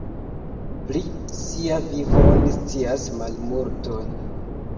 Pri ŝia vivo oni scias malmulton.